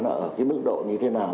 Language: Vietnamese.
ở cái mức độ như thế nào